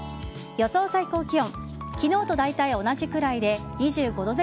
予想最高気温。